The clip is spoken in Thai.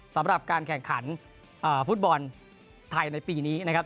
สำหรับการแข่งขันฟุตบอลไทยในปีนี้นะครับ